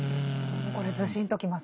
もうこれずしんときますね。